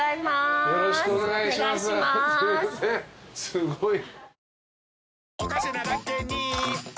すごい。